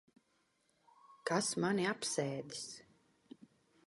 Kas mani apsēdis?